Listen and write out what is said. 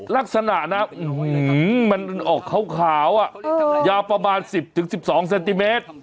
ลักษณะนะอื้อหือมันออกขาวอ่ะยาประมาณ๑๐๑๒เซนติเมตร